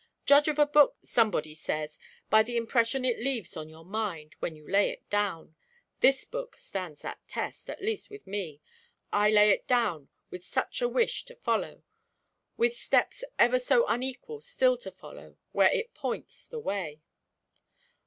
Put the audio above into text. Judge of a book, somebody says, by the impression it leaves on your mind when you lay it down; this book stands that test, at least with me, I lay it down with such a wish to follow with steps ever so unequal still to follow, where it points the way."